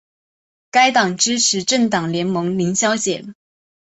该党支持政党联盟零削减。